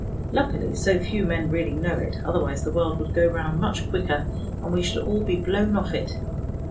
Luckily, so few men really know it, otherwise the world would go round much quicker, and we should all be blown off it.